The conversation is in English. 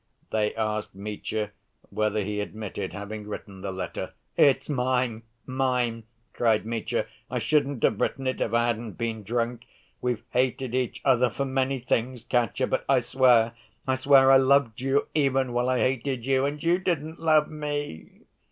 They asked Mitya whether he admitted having written the letter. "It's mine, mine!" cried Mitya. "I shouldn't have written it, if I hadn't been drunk!... We've hated each other for many things, Katya, but I swear, I swear I loved you even while I hated you, and you didn't love me!"